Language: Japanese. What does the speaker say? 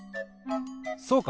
そうか！